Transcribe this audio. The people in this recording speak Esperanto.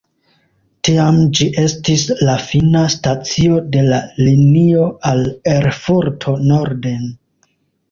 Tiam ĝi estis la fina stacio de la linio al Erfurto norden.